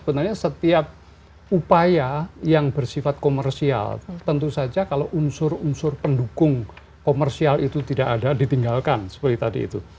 karena setiap upaya yang bersifat komersial tentu saja kalau unsur unsur pendukung komersial itu tidak ada ditinggalkan seperti tadi itu